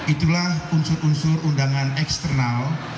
itulah unsur unsur undangan eksternal